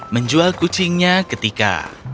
menjual kucingnya ketika